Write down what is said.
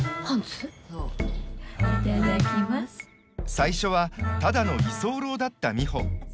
最初はただの居候だった美穂。